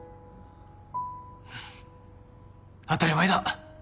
当たり前だ。